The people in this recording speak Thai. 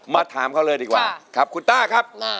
ถามเขาเลยดีกว่าครับคุณต้าครับ